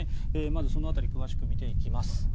まずその辺りを詳しく見ていきます。